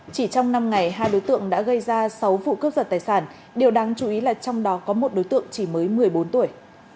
chỉ trong năm ngày hai đối tượng đã gây ra sáu vụ cướp giật tài sản điều đáng chú ý là trong đó có một đối tượng chỉ mới một mươi bốn tuổi